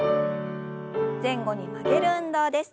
前後に曲げる運動です。